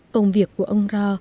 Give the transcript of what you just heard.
công việc của ông ro